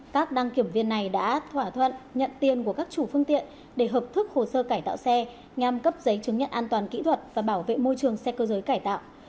các đăng kiểm viên này đã thỏa thuận nhận tiền của các chủ phương tiện để hợp thức hồ sơ cải tạo xe nhằm cấp giấy chứng nhận an toàn kỹ thuật và bảo vệ môi trường xe cơ giới cải tạo